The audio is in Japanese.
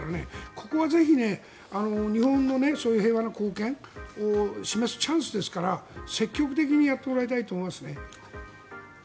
ここはぜひ、日本の平和な貢献を示すチャンスですから積極的にやってもらいたいと思います。